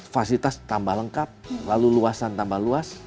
fasilitas tambah lengkap lalu luasan tambah luas